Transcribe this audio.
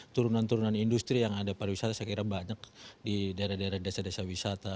turunan turunan industri yang ada pariwisata saya kira banyak di daerah daerah desa desa wisata